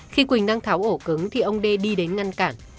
khi quỳnh đang tháo ổ cứng thì ông đê đi đến ngăn cản